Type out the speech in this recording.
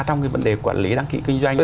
trong vấn đề quản lý đăng ký kinh doanh